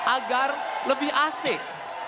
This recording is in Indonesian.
agar lebih asik